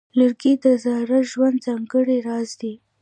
لرګی د زاړه ژوند ځانګړی راز دی.